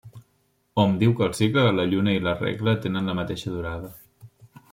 Hom diu que el cicle de la lluna i la regla tenen la mateixa durada.